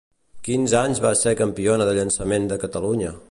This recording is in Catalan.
Quins anys va ser campiona de llançament de Catalunya?